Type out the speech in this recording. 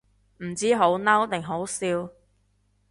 唔知好嬲定好笑